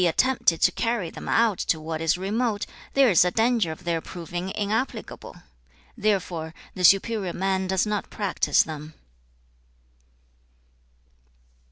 attempted to carry them out to what is remote, there is a danger of their proving inapplicable. Therefore, the superior man does not practise them.'